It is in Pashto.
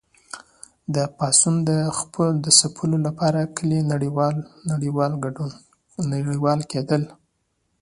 د پاڅونوالو د ځپلو لپاره کلي نړول کېدل.